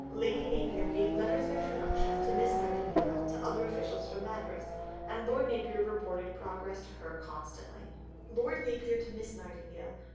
Lady Napier gave letters of introduction to Miss Nightingale to other officials from Madras, and Lord Napier reported progress to her constantly: (_Lord Napier to Miss Nightingale.